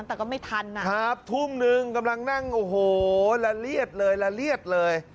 แต่ก็ไม่ทันนะครับทุ่มนึงกำลังนั่งโอ้โหละเลียดเลยละเลียดเลย